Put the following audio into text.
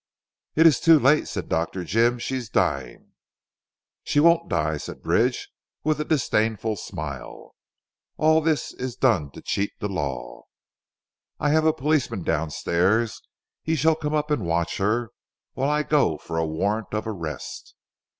"It is too late," said Dr. Jim, "she is dying." "She won't die," said Bridge with a disdainful smile, "all this is done to cheat the law. I have a policeman downstairs. He shall come up and watch her, while I go for a warrant of arrest."